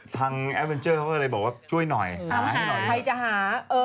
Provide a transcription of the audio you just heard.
แอดเวนเจอร์เขาก็เลยบอกว่าช่วยหน่อยหามาให้หน่อยใครจะหา